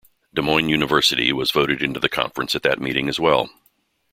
Des Moines University was voted into the conference at that meeting as well.